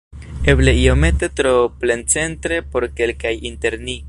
Eble iomete tro plencentre por kelkaj inter ni.